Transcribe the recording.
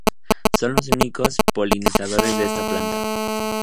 Son los únicos polinizadores de esta planta.